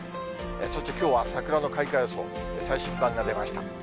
そしてきょうは桜の開花予想、最新版が出ました。